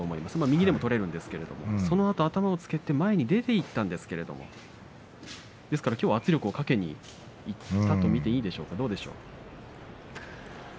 右でも取れるんですけどそのあと頭をつけて前に出ていったんですけどきょうは圧力をかけにいったと見ていいでしょうか。